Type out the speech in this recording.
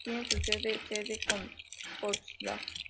Tiene su sede sede en Potsdam.